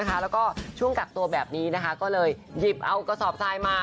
แล้วก็ช่วงกักตัวแบบนี้ก็เลยหยิบเอากระสอบทรายมา